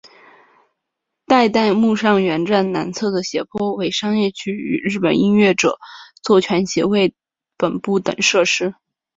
代代木上原站南侧的斜坡为商业区与日本音乐着作权协会本部等设施。